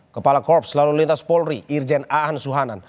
kepala korps lalu lintas polri irjen aan suhanan